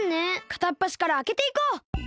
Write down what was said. かたっぱしからあけていこう。